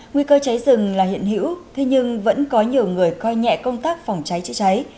nguy cơ cháy rừng là hiện hữu thế nhưng vẫn có nhiều người coi nhẹ công tác phòng cháy chữa cháy